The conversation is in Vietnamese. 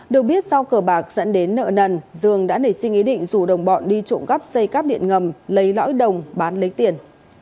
được biết sau cờ bạc dẫn đến nợ nần dương đã nảy sinh ý định rủ đồng bọn đi trộm cắp xây cắp điện ngầm lấy lõi đồng bán lấy tiền